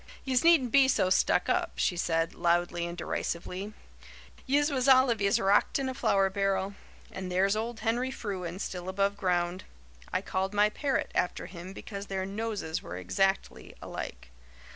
"Yez needn't be so stuck up," she said, loudly and derisively. "Yez was all of yez rocked in a flour barrel. And there's old Henry Frewen, still above ground. I called my parrot after him because their noses were exactly alike.